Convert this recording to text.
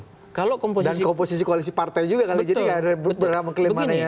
dan komposisi koalisi partai juga kali jadi berapa kelima